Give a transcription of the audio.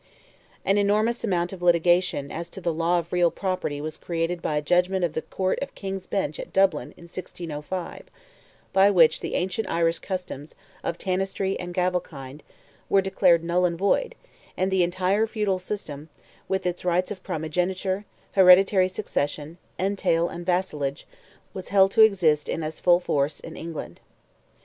An enormous amount of litigation as to the law of real property was created by a judgment of the Court of King's Bench at Dublin, in 1605, by which the ancient Irish customs, of tanistry and gavelkind, were declared null and void, and the entire Feudal system, with its rights of primogeniture, hereditary succession, entail, and vassalage, was held to exist in as full force in England.